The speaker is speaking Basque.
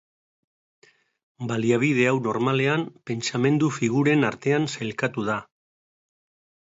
Baliabide hau normalean pentsamendu figuren artean sailkatu da.